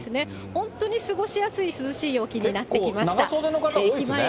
本当に過ごしやすい涼しい陽気になってきました。